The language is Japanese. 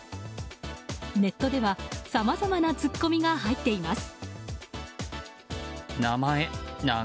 ネットでは、さまざまなツッコミが入っています。